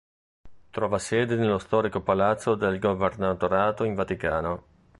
Trova sede nello storico Palazzo del Governatorato in Vaticano.